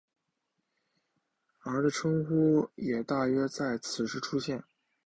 而的称呼也大约在此时出现。